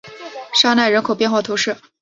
沙奈人口变化图示